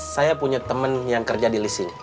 saya punya temen yang kerja di leasing